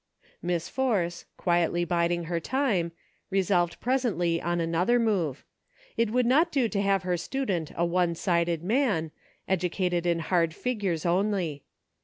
Miss Force, quietly biding her time, resolved presently on another move ; it would not do to have her student a one sided man, educated in hard figures only.